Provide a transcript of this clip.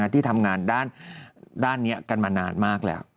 ที่ทำงานด้านนี้กันมานานมากแล้ว